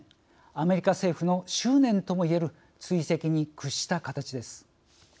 アメリカ政府の執念ともいえる追跡に屈した形です。